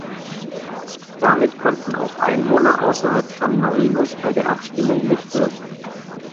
Damit konnten auch Einwohner außerhalb San Marinos bei der Abstimmung mitwirken.